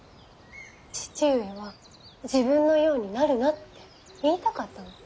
義父上は自分のようになるなって言いたかったの。